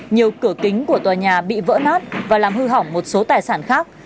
nhiều cửa kính của tòa nhà bị vỡ nát và làm hư hỏng một số tài sản khác